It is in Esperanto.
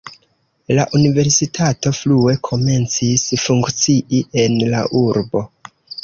La universitato frue komencis funkcii en la urbo.